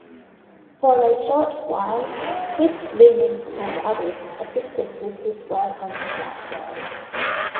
For a short while, Chris Lumens and others assisted with his work on Slackware.